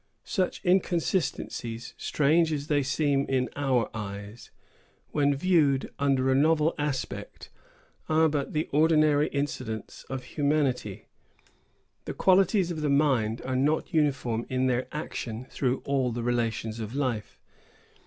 Such inconsistencies, strange as they seem in our eyes, when viewed under a novel aspect, are but the ordinary incidents of humanity. The qualities of the mind are not uniform in their action through all the relations of life.